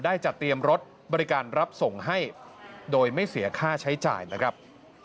จะเตรียมรถบริการรับส่งให้โดยไม่เสียค่าใช้จ่ายนะครับ